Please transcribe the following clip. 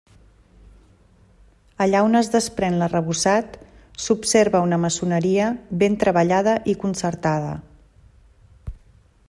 Allà on es desprèn l'arrebossat s'observa una maçoneria ben treballada i concertada.